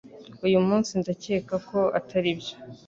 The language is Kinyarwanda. Uyu munsi ndakeka ko atari byo